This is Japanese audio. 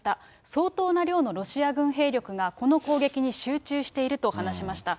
相当な量のロシア軍兵力がこの攻撃に集中していると話しました。